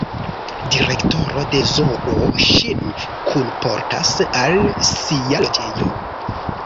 Direktoro de zoo ŝin kunportas al sia loĝejo.